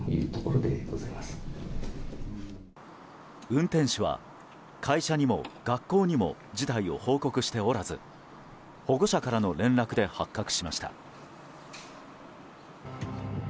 運転手は会社にも学校にも事態を報告しておらず保護者からの連絡で発覚しました。